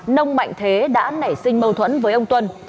nông mạnh thế đã nảy sinh mâu thuẫn với ông tuân